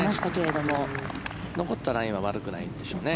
残ったラインは悪くないんでしょうね。